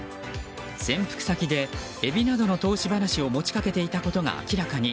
潜伏先でエビなどの投資話を持ちかけていたことが明らかに。